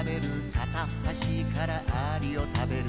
「片っ端からアリを食べる」